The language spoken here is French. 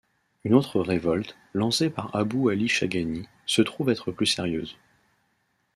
Une autre révolte, lancée par Abu 'Ali Chaghani, se trouve être plus sérieuse.